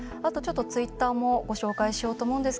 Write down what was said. ツイッターもご紹介します。